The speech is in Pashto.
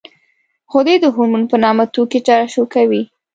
غدې د هورمون په نامه توکي ترشح کوي.